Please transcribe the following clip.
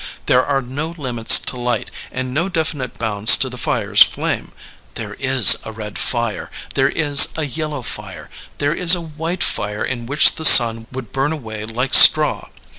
^There are no limits to light, and no definite bounds to the fire's flame. There is a red fire, there is a yellow fire, there is a white fire in which the sun would bum away like straw.